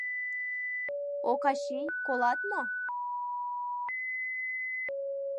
— Окачий, колат мо?..